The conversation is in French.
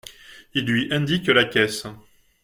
Il lui indique la caisse.